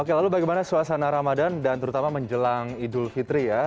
oke lalu bagaimana suasana ramadan dan terutama menjelang idul fitri ya